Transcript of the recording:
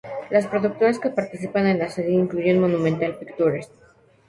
Las productoras que participan en la serie incluyen Monumental Pictures.